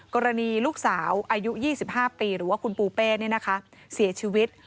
กรณีลูกสาวอายุ๒๕ปีหรือว่าคุณปูเป้เสียชีวิต